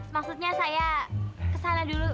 maksudnya saya kesana dulu